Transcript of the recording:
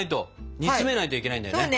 煮つめないといけないんだよね。